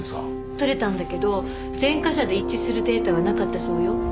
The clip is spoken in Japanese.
採れたんだけど前科者で一致するデータはなかったそうよ。